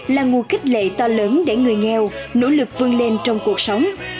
là nguồn kích lệ to lớn để người nghèo nỗ lực vươn lên trong cuộc sống